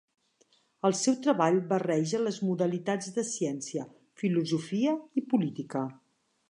El seu treball barreja les modalitats de ciència, filosofia i política.